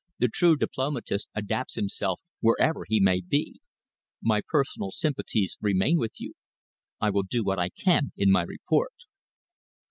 The true diplomatist adapts himself wherever he may be. My personal sympathies remain with you. I will do what I can in my report."